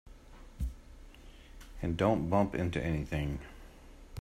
And don't bump into anything.